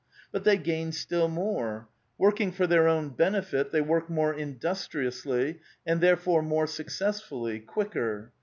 But they gain still more : working for their own benefit, they work more industriously, and therefore more successfully, quicker.